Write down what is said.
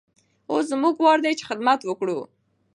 اوس زموږ وار دی چې خدمت وکړو.